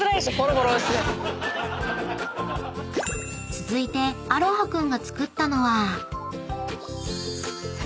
［続いてアロハ君が作ったのは］